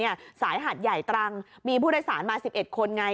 สายหาดใหญ่ตรังมีผู้โดยสารมา๑๑คนไง